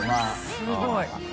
すごい。